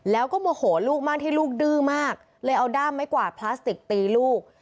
แล้วก็โมโหลูกมากที่ลูกดื้อมากเลยเอาด้ามไม้กวาดพลาสติกตีลูก